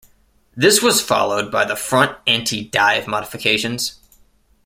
This was followed by the front anti-dive modifications.